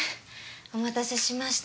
お待たせしました。